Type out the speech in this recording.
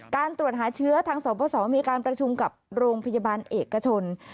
การตรวจหาเชื้อทางสบสมีการประชุมกับโรงพยาบาลเอกชน